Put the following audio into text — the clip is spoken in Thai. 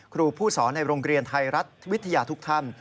ครูผู้สอนในโรงเรียนไทยรัฐวิทยาทุกท่าน